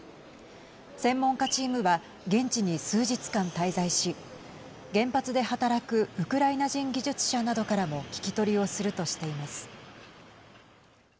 専門家チームは現地に数日間滞在し原発で働くウクライナ人技術者などからも聞き取りをするとしています。